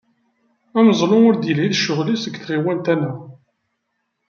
Ameẓlu ur d-yelhi d ccɣel-is deg tɣiwant-a-nneɣ.